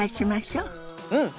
うん！